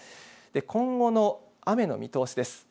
今後の雨の見通しです。